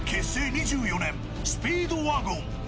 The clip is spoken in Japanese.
２４年、スピードワゴン。